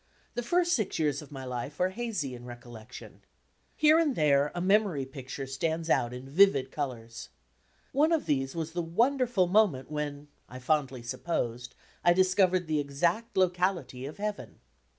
The first six years of my life are hazy in recollection. Here and there, a memory picture stands out in vivid colours. One of these was the wonderful moment when, I fondly sup posed, I discovered the exact locality of Heaven.